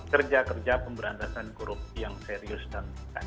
kerja kerja pemberantasan korupsi yang serius dan